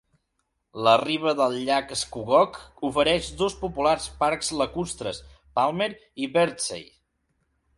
La riba del llac Scugog ofereix dos populars parcs lacustres, Palmer i Birdseye.